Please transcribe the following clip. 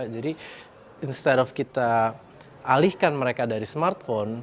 jadi instead of kita alihkan mereka dari smartphone